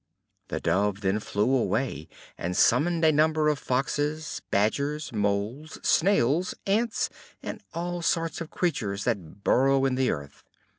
The Dove then flew away, and summoned a number of foxes, badgers, moles, snails, ants, and all sorts of creatures that burrow in the earth.